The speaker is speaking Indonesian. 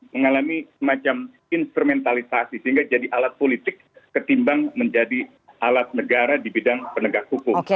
mengalami semacam instrumentalisasi sehingga jadi alat politik ketimbang menjadi alat negara di bidang penegak hukum